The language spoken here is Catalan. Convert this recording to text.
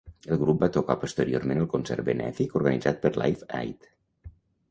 El grup va tocar posteriorment al concert benèfic organitzat per Live Aid.